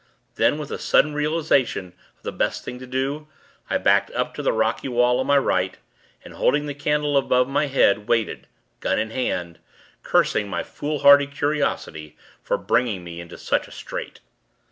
Then, with a sudden realization of the best thing to do, I backed up to the rocky wall on my right, and, holding the candle above my head, waited gun in hand cursing my foolhardy curiosity, for bringing me into such a strait.